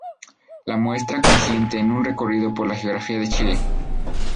La muestra consiste en un recorrido por la geografía de Chile.